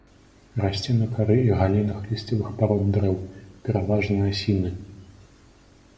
Расце на кары і галінах лісцевых парод дрэў, пераважна асіны.